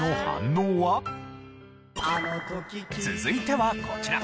続いてはこちら。